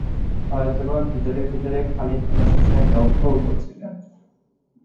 হয়তোবা ভিতরে ভিতরে খালিদ অনুশোচনায় দগ্ধও হচ্ছিলেন।